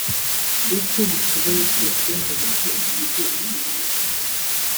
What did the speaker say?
uko bushoboye kose ngo buce intege iryo shyaka